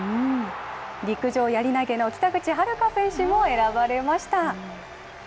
陸上・やり投げの北口榛花選手も選ばれました。